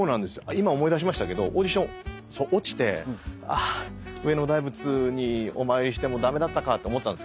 今思い出しましたけどオーディション落ちてあ上野大仏にお参りしても駄目だったかと思ったんですけど